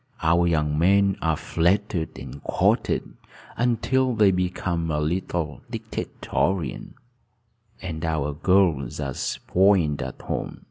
Our young men are flattered and courted until they become a little dictatorial, and our girls are spoiled at home.